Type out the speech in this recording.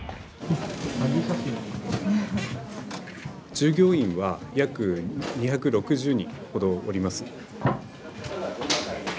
従業員は約２６０人ほどおります。